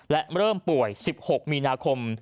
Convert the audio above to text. และเริ่มป่วย๑๖มีนาคม